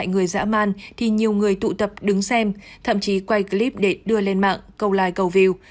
trong thời gian quá man thì nhiều người tụ tập đứng xem thậm chí quay clip để đưa lên mạng câu like câu view